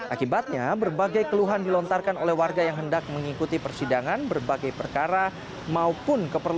akibatnya berbagai keluhan dilontarkan oleh warga yang hendak mengikuti persidangan berbagai perkara maupun keperluan